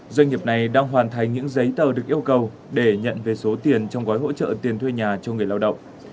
doanh nghiệp này đang hoàn thành những giấy tờ được yêu cầu để nhận về số tiền trong gói hỗ trợ tiền thuê nhà cho người lao động